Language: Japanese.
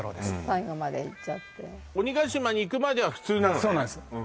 最後までいっちゃって鬼ヶ島に行くまでは普通なのねそうなんですよ